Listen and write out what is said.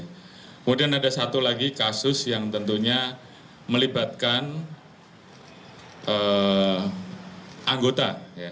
kemudian ada satu lagi kasus yang tentunya melibatkan anggota